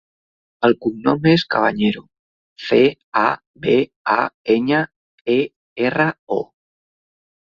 El cognom és Cabañero: ce, a, be, a, enya, e, erra, o.